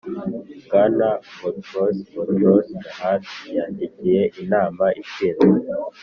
bwana boutros boutros-ghali yandikiye inama ishinzwe